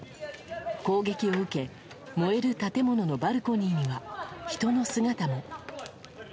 攻撃を受け、燃える建物のバルコニーには人の姿も。